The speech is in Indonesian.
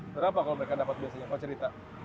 berapa kalau mereka dapat biasanya kalau cerita